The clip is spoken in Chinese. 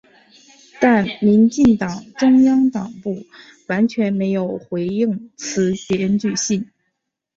但民进党中央党部完全没有回应此检举信。